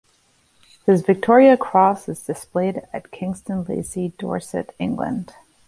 His Victoria Cross is displayed at Kingston Lacy, Dorset, England.